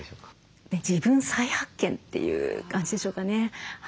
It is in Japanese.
自分再発見という感じでしょうかね。